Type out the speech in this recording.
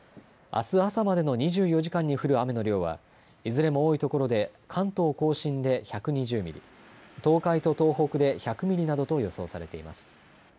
あす朝までの２４時間に降る雨の量は、いずれも多い所で関東甲信で１２０ミリ、東海と東北で１００ミリなどと予想されています。